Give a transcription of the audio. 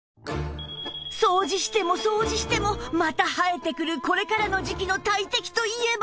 掃除しても掃除してもまた生えてくるこれからの時季の大敵といえば